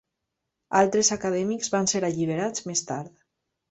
Altres acadèmics van ser alliberats més tard.